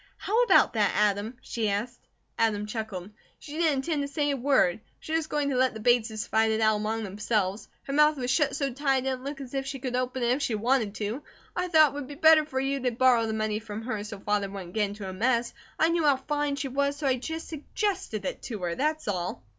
"How about that, Adam?" she asked. Adam chuckled. "She didn't intend to say a word. She was going to let the Bateses fight it out among themselves. Her mouth was shut so tight it didn't look as if she could open it if she wanted to. I thought it would be better for you to borrow the money from her, so Father wouldn't get into a mess, and I knew how fine she was, so I just SUGGESTED it to her. That's all!"